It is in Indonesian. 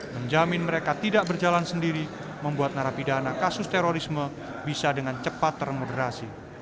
menjamin mereka tidak berjalan sendiri membuat narapidana kasus terorisme bisa dengan cepat termoderasi